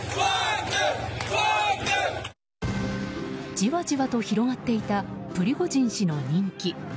じわじわと広がっていたプリゴジン氏の人気。